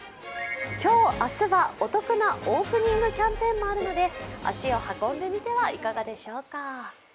今日、明日はお得なオープニングキャンペーンもあるので足を運んでみてはいかがでしょうか。